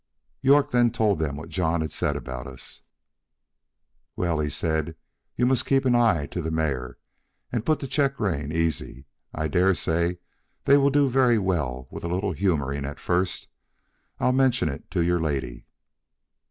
York then told him what John had said about us. "Well," said he, "you must keep an eye to the mare, and put the check rein easy; I dare say they will do very well with a little humoring at first. I'll mention it to your lady."